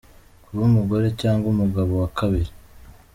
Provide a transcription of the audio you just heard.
Kuba umugore cyangwa umugabo wa kabiri.